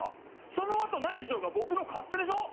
その後、何しようが僕の勝手でしょ。